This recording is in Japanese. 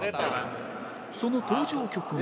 その登場曲も